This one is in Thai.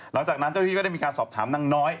หลังจากนั้นเจ้านิฐีก็ได้มีการสอบถามนางน้อย